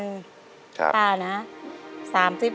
ครับ